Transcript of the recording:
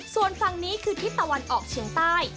ส่วนฝั่งนี้คือทิศตะวันออกเชียงใต้